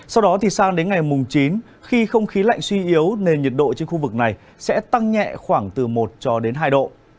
sau đó thì sang đến ngày mùng chín khi không khí lạnh suy yếu nền nhiệt độ trên khu vực này sẽ tăng nhẹ khoảng từ một hai độ